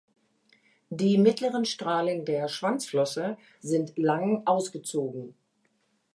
Die mittleren Strahlen der Schwanzflosse sind lang ausgezogen.